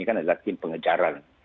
ini kan adalah tim pengejaran